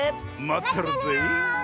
まってるよ！